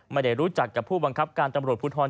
ไม่ได้รู้จักกับผู้บังคับการตำรวจภูทร